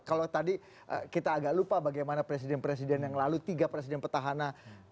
kalau tadi kita agak lupa bagaimana presiden presiden yang lalu tiga presiden petahana